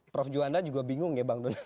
prof juanda juga bingung ya bang donald